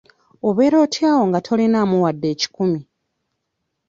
Obeera otya awo nga tolinaamu wadde ekikumi?